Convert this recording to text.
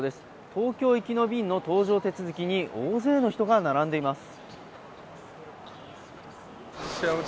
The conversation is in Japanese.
東京行きの便の搭乗手続きに大勢の人が並んでいます